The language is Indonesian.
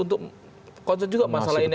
untuk konsen juga masalah ini